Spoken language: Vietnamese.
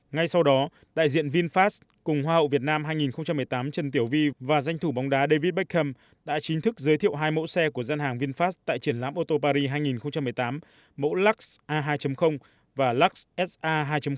ngay sau đó đại diện vinfast cùng hoa hậu việt nam hai nghìn một mươi tám trần tiểu vi và danh thủ bóng đá david beckham đã chính thức giới thiệu hai mẫu xe của gian hàng vinfast tại triển lãm ô tô paris hai nghìn một mươi tám mẫu lux a hai và lux sa hai